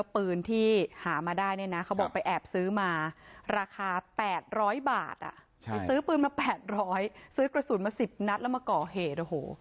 ซื้อปืนมาแปดร้อยซื้อกระสุนมาสิบนัดแล้วมาก่อเหตุ